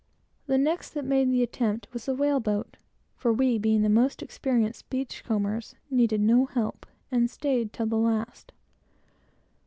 The next that made the attempt was the whale boat, for we, being the most experienced "beach combers," needed no help, and staid till the last.